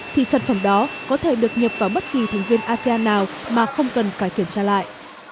thì sản phẩm đó có thể được nhập vào bất kỳ thành viên asean nào mà không cần phải kiểm tra lại